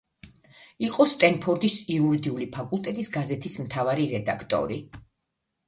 იყო სტენფორდის იურიდიული ფაკულტეტის გაზეთის მთავარი რედაქტორი.